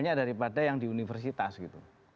banyak daripada yang di universitas gitu